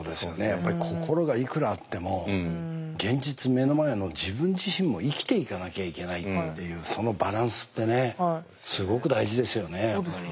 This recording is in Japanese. やっぱり心がいくらあっても現実目の前の自分自身も生きていかなきゃいけないっていうそのバランスってねすごく大事ですよねやっぱり。